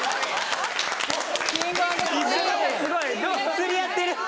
釣り合ってる。